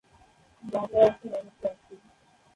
বাজার আছে অনেক কয়েকটি।